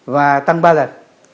và tăng ba lần